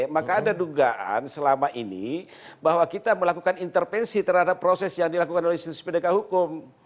maka ada dugaan selama ini bahwa kita melakukan intervensi terhadap proses yang dilakukan oleh institusi pendekat hukum